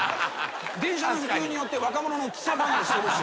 電車の普及によって若者の汽車離れしているし。